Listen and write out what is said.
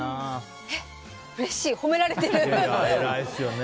うれしい、褒められてる。